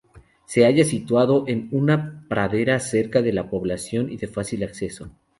Se halla situado en una pradera cerca de la población y de fácil acceso.